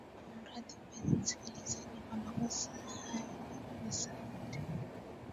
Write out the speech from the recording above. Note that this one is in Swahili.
kumradhi mpenzi msikilizaji kwa makosa hayo ya sauti